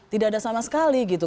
tidak ada sama sekali gitu